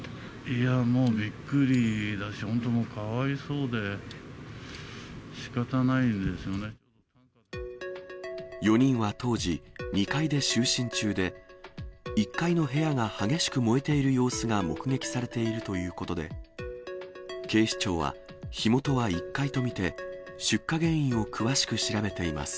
いやー、もうびっくりだし、本当もう、４人は当時、２階で就寝中で、１階の部屋が激しく燃えている様子が目撃されているということで、警視庁は、火元は１階と見て、出火原因を詳しく調べています。